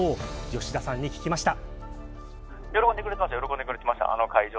吉田さんに聞きました。